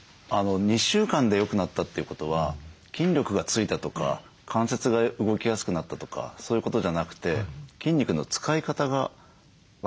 ２週間でよくなったということは筋力が付いたとか関節が動きやすくなったとかそういうことじゃなくて筋肉の使い方が分かった。